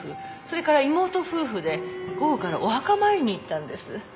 それから妹夫婦で午後からお墓参りに行ったんです。